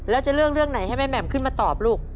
แล้วจะเลือกเรื่องไหนให้แม่แหม่มขึ้นมาตอบลูก